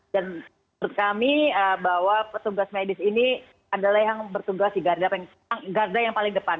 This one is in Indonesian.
dan menurut kami bahwa petugas medis ini adalah yang bertugas di garda yang paling depan